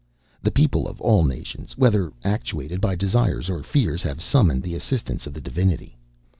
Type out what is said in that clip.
The people of all nations, whether actuated by desires or fears, have summoned the assistance of the Divinity.